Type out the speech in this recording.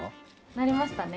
なりましたね。